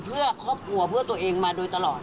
เพื่อครอบครัวเพื่อตัวเองมาโดยตลอด